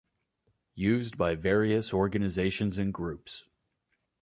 Used by various organizations and groups.